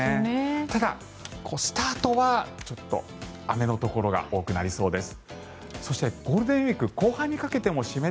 ただ、スタートはちょっと雨のところが多くなりそうです。